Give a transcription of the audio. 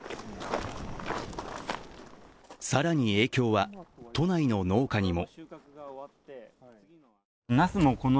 更に影響は都内の農家にも。